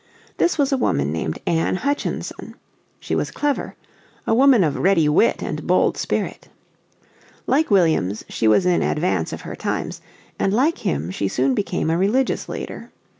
This was a woman named Anne Hutchinson. She was clever, "a woman of a ready wit and bold spirit." Like Williams she was in advance of her times, and like him she soon became a religious leader.